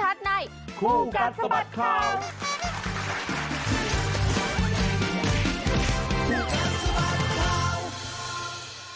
คู่กันสมัติข่าวคู่กันสมัติข่าวคู่กันสมัติข่าว